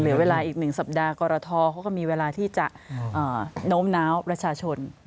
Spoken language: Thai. เหลือเวลาอีก๑สัปดาห์กรทเขาก็มีเวลาที่จะโน้มน้าวประชาชน